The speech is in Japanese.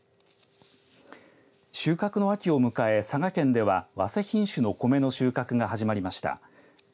収穫の秋を迎え、佐賀県では早生品種のコメの収穫が始まりました。